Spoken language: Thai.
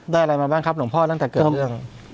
อะไรมาบ้างครับหลวงพ่อตั้งแต่เกิดเรื่อง